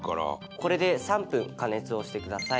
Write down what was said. これで３分加熱をしてください。